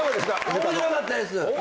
面白かったです